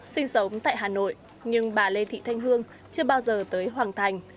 sinh sống tại hà nội nhưng bà lê thị thanh hương chưa bao giờ tới hoàng thành